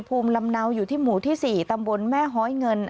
ภูมิลำเนาอยู่ที่หมู่ที่๔ตำบลแม่หอยเงิน